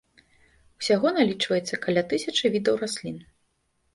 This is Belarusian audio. Усяго налічваецца каля тысячы відаў раслін.